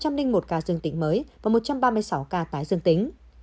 một trăm linh một ca dương tính mới và một trăm ba mươi sáu ca tái dương tính